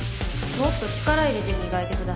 もっと力入れて磨いてください。